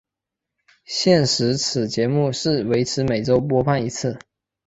现时此节目是维持每周播放一次。